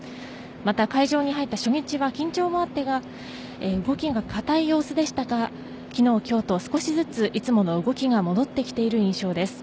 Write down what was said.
また、会場に入った初日は緊張もあってか動きが硬い様子でしたが昨日、今日と少しずついつもの動きが戻ってきている印象です。